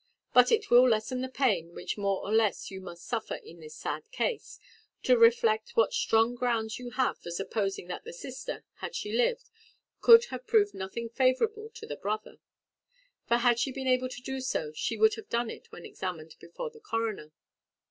But it will lessen the pain which more or less you must suffer in this sad case, to reflect what strong grounds you have for supposing that the sister, had she lived, could have proved nothing favourable to the brother; for had she been able to do so, she would have done it when examined before the coroner.